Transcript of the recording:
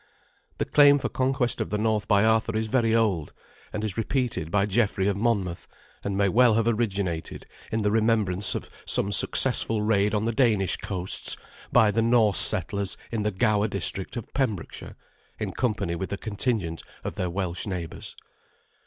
The claim for conquest of the north by Arthur is very old, and is repeated by Geoffrey of Monmouth, and may well have originated in the remembrance of some successful raid on the Danish coasts by the Norse settlers in the Gower district of Pembrokeshire, in company with a contingent of their Welsh neighbours.